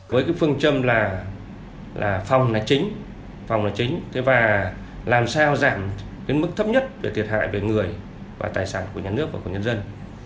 với cái phương châm là phòng là chính phòng là chính thế và làm sao giảm đến mức thấp nhất về thiệt hại về người và tài sản của nhà nước và của nhân dân